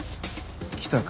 来たか。